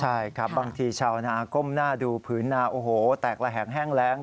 ใช่ครับบางทีชาวนาก้มหน้าดูผืนนาโอ้โหแตกระแหงแห้งแรง